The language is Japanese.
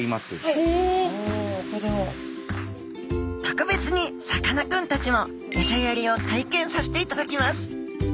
特別にさかなクンたちもエサやりを体験させていただきます